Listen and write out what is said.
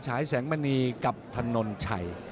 ฉายแสงมณีกับถนนชัย